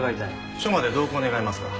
署まで同行願えますか？